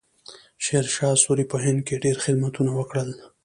شیرشاه سوري په هند کې ډېر خدمتونه وکړل.